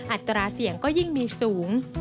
อัตราเสี่ยงก็ยิ่งมีสูง